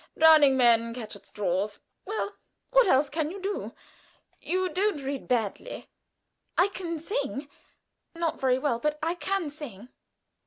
Drowning men catch at straws. Well, what else can you do? You don't read badly." "I can sing not very well, but I can sing."